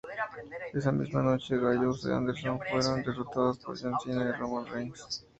Esa misma noche, Gallows y Anderson fueron derrotados por John Cena y Roman Reigns.